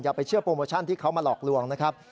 ไปเชื่อโปรโมชั่นที่เขามาหลอกลวงนะครับ